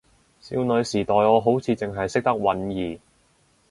少女時代我好似淨係認得允兒